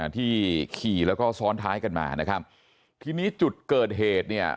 ที่ขี่แล้วก็ซ้อนท้ายกันมานะครับทีนี้จุดเกิดเหตุเนี่ย